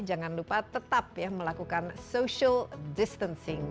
jangan lupa tetap ya melakukan social distancing